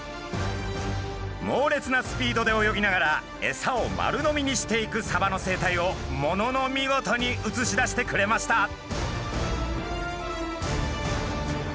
もうれつなスピードで泳ぎながらエサを丸飲みにしていくサバの生態をものの見事に写し出してくれました。